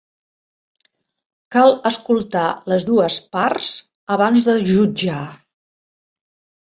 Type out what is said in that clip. Cal escoltar les dues parts abans de jutjar.